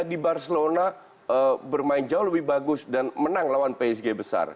tiga empat tiga di barcelona bermain jauh lebih bagus dan menang lawan psg besar